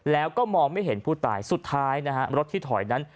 แล้วก็มองไม่เห็นผู้ตายสุดท้ายนะฮะรถที่ถอยนั้น